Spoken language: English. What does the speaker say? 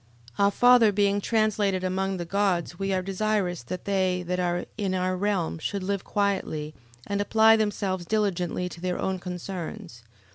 11:23. Our father being translated amongst the gods we are desirous that they that are in our realm should live quietly, and apply themselves diligently to their own concerns.